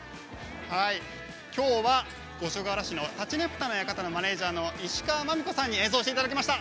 きょうは五所川原市の立佞武多の館のマネージャーの石川マミ子さんに演奏していただきました。